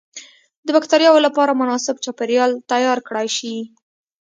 د بکترياوو لپاره مناسب چاپیریال تیار کړای شي.